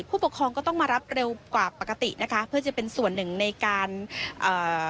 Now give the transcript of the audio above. ผู้ปกครองก็ต้องมารับเร็วกว่าปกตินะคะเพื่อจะเป็นส่วนหนึ่งในการเอ่อ